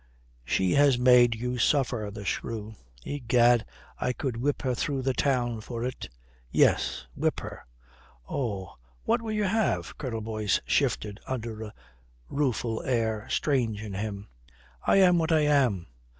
She has made you suffer, the shrew. Egad, I could whip her through the town for it." "Yes. Whip her." "Oh, what would you have?" Colonel Boyce shifted under a rueful air, strange in him. "I am what I am.